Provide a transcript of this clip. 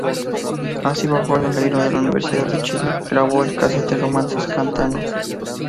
Así, bajo el alero de la Universidad de Chile, grabó el casete "Romances Cantados".